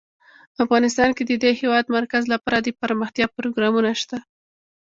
افغانستان کې د د هېواد مرکز لپاره دپرمختیا پروګرامونه شته.